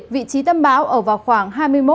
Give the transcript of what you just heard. vị trí tâm bão ở vào khoảng